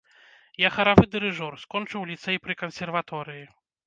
Я харавы дырыжор, скончыў ліцэй пры кансерваторыі.